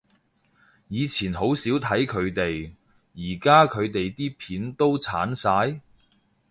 以前好少睇佢哋，而家佢哋啲片都剷晒？